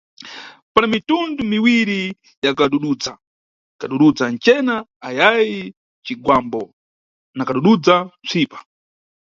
Pana mitundu miwiri ya kadududza: kadududza ncena ayayi cigwambo na kadududza psipa.